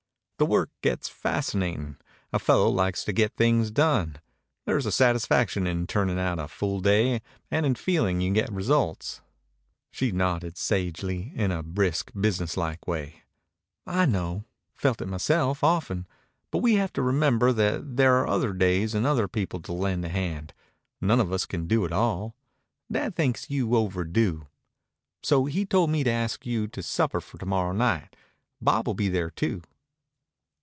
"The work gets fascinating. A fellow likes to get things done. There's a satisfaction in turning out a full day and in feeling you get results." She nodded sagely, in a brisk, business like way. "I know. Felt it myself often, but we have to remember that there are other days and other people to lend a hand. None of us can do it all. Dad thinks you overdo. So he told me to ask you to supper for to morrow night. Bob will be there too."